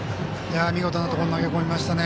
見事なところに投げ込みましたね。